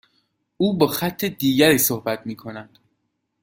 او با خط دیگری صحبت میکند.